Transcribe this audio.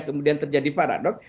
kemudian terjadi paradoks